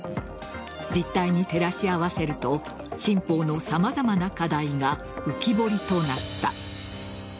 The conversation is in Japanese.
実態に照らし合わせると新法の様々な課題が浮き彫りとなった。